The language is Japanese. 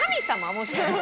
もしかして。